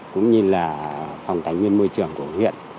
cũng như là phòng tài nguyên môi trường của huyện